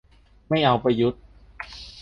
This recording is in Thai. ไม่เอาประยุทธ์